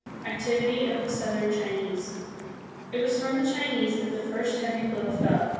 Activity of the Southern Chinese. It was from the Chinese that the first heavy blow fell.